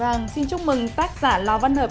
vâng xin chúc mừng tác giả lò văn hợp